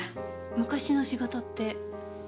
昔の仕事って？